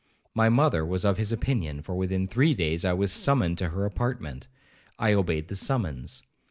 My mother was of his opinion, for within three days I was summoned to her apartment. I obeyed the summons.